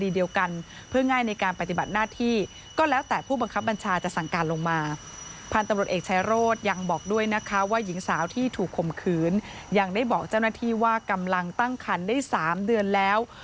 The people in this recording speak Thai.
ได้บอกจัดหน้าที่ว่ากำลังตั้งขันได้๓เดือนแล้ว